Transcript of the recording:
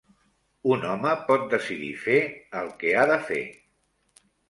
Un home pot decidir fer el que ha de fer.